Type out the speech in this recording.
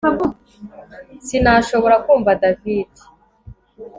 Sinashoboraga kumva David